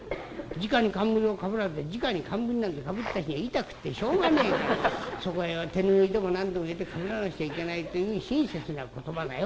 じかに冠をかぶらずってじかに冠なんてかぶった日には痛くってしょうがねえからそこへ手拭いでも何でも入れてかぶらなくちゃいけないっていう親切な言葉だよ。